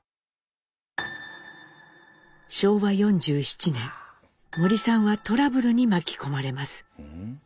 昭和４７年森さんはトラブルに巻き込まれます。